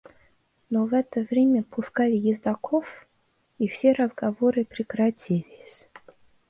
Но в это время пускали ездоков, и все разговоры прекратились.